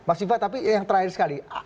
mas viva tapi yang terakhir sekali